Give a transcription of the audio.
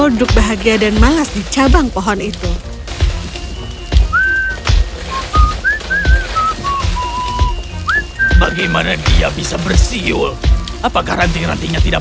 berduka ke dan malas dijabang pohon itu bagaimana dia bisa bersiul apakah ranting rantingnya tidak